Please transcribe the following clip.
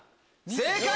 正解！